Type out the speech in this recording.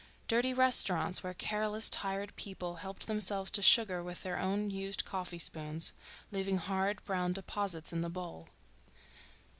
dirty restaurants where careless, tired people helped themselves to sugar with their own used coffee spoons, leaving hard brown deposits in the bowl.